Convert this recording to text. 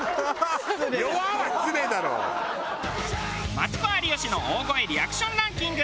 マツコ有吉の大声リアクションランキング